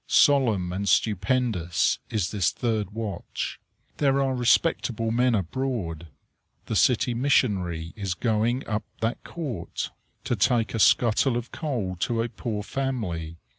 Solemn and stupendous is this third watch. There are respectable men abroad. The city missionary is going up that court, to take a scuttle of coal to a poor family.